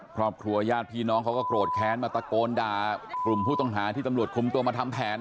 ครอบครัวญาติพี่น้องเขาก็โกรธแค้นมาตะโกนด่ากลุ่มผู้ต้องหาที่ตำรวจคุมตัวมาทำแผน